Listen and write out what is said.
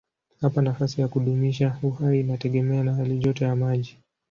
Hapa nafasi ya kudumisha uhai inategemea na halijoto ya maji.